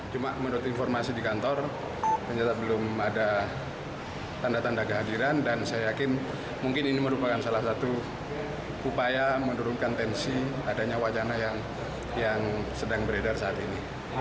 cuma menurut informasi di kantor ternyata belum ada tanda tanda kehadiran dan saya yakin mungkin ini merupakan salah satu upaya menurunkan tensi adanya wacana yang sedang beredar saat ini